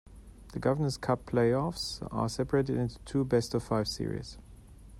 The Governors' Cup Playoffs are separated into two best-of-five series.